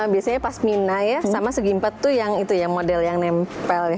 biasanya pas mina ya sama segimpet tuh yang itu ya model yang nempel ya